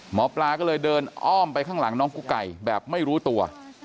หมอปลาก็เลยเดินอ้อมไปข้างหลังน้องกุ๊กไก่แบบไม่รู้ตัว